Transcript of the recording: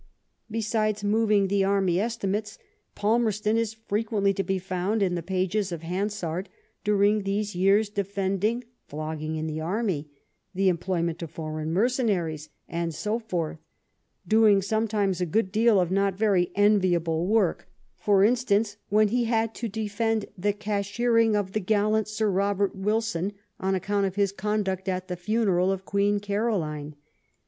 Besides moving the Army Estimates, Palmerston is frequently to be found in the pages of Hansard during these years defending flogging in the army, the employment of foreign mercenaries, and so forth ; doing sometimes a good deal of not very enviable work, for instance, 12 LIFE OF VISCOUNT PALMSB8T0N. when he had to defend the cashiering of the gallant Sir Bobert Wilson on account of his conduct at the funeral of Queen Caroline.